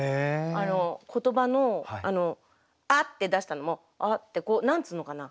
あの言葉の「あ」って出したのも「あ」ってこう何て言うのかな。